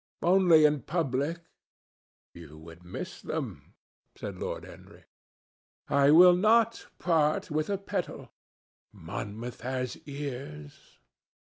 "Only in public." "You would miss them," said Lord Henry. "I will not part with a petal." "Monmouth has ears."